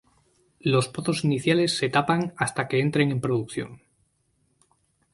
Los pozos iniciales se tapan hasta que entren en producción.